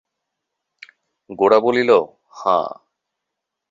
গোরা বলিল, হাঁ।